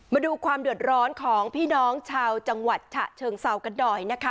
มาดูความเดือดร้อนของพี่น้องชาวจังหวัดฉะเชิงเซากันหน่อยนะคะ